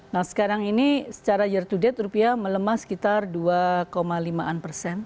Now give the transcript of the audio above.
nah sekarang ini secara year to date rupiah melemah sekitar dua lima an persen